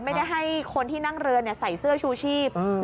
ไม่ได้ให้คนที่นั่งเรือใส่เสื้อชูชีพ